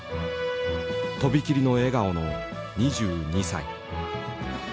とびきりの笑顔の２２歳。